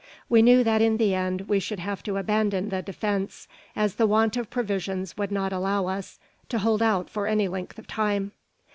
We knew that in the end we should have to abandon the defence, as the want of provisions would not allow us to hold out for any length of time.